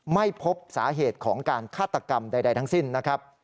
ไม่พบสาเหตุของการฆาตกรรมใดทั้งสิ้นนะครับ